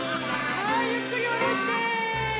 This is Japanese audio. はいゆっくりおろして。